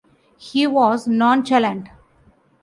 He was nonchalant.